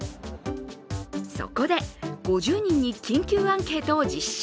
そこで、５０人に緊急アンケートを実施。